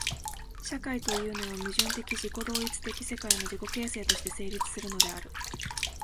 社会というのは、矛盾的自己同一的世界の自己形成として成立するのである。